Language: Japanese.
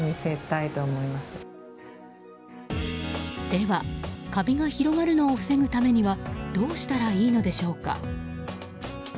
では、カビが広がるのを防ぐためにはどうしたらいいのでしょうか。